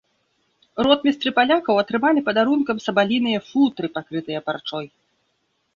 Ротмістры палякаў атрымалі падарункам сабаліныя футры, пакрытыя парчой.